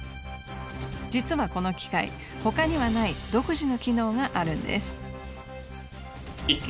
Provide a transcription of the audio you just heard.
実はこの機械他にはない独自の機能があるんです。